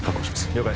了解